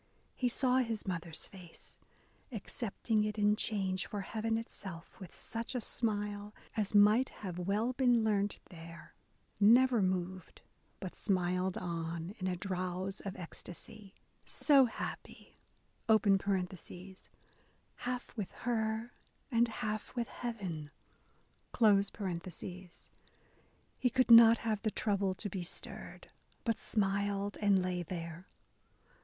. He saw his mother's face, accepting it In change for heaven itself with such a smile A DAY WITH E. B. BROWNING As might have well been learnt there, — never_ moved, But smiled on, in a drowse of ecstasy. So happy (half with her and half with heaven) He could not have the trouble to be stirred, But smiled and lay there.